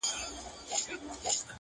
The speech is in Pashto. • په زګېروي مي له زلمیو شپو بېلېږم,